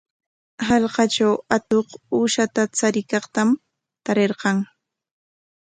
Hallqatraw atuq uusha chariykaqtam tarirqan.